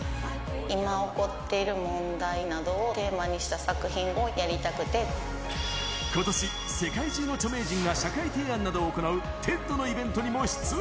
今起こっている問題などをテことし、世界中の著名人が社会提案などを行うＴＥＤのイベントにも出演。